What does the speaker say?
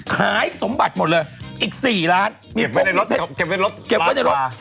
ขายสมบัติหมดเลยอีก๔ล้านเก็บไว้ในรถ